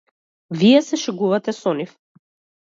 Вие се шегувате со нив.